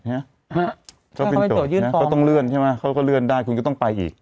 เนี่ยคะต้องเลื่อนใช่มั้ยเขาก็เลื่อนในได้คุณก็ต้องไปอีก